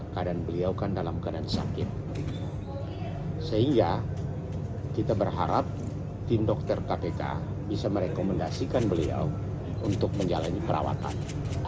pengacara lukas nmb menyatakan akan segera terbang ke jakarta untuk menemani lukas nmb